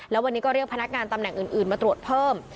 แล้ววันนี้ก็เรียกพนักงานตำแหน่งอื่นมาตรวจเพิ่ม